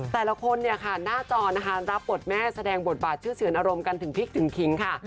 แต่ละคนเนี่ยค่ะหน้าจอนะคะรับบทแม่แสดงบทบาทชื่อเฉินอารมณ์กันถึงพริกถึงขิงค่ะ